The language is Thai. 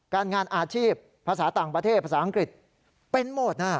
การงานอาชีพภาษาต่างประเทศภาษาอังกฤษเป็นหมดนะ